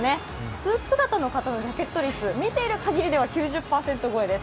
スーツ姿の方のジャケット率、見ているだけでは９０％超えです。